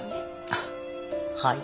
あっはい。